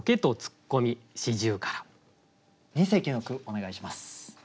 二席の句お願いします。